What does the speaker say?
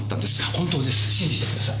本当です信じて下さい。